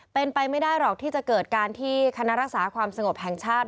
เป็นไปไม่ได้หรอกที่จะเกิดการที่คณะรักษาความสงบแห่งชาติ